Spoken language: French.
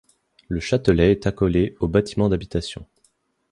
Le châtelet est accolé aux bâtiments d'habitation.